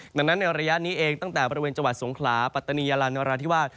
ดังนั้นในระยะนี้เองตั้งแต่บริเวณจังหวัดสงขลาปัตตานียาลานราธิวาส